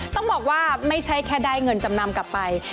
ต้องบอกว่าไม่ใช่แค่ได้เงินจำนำกลับไป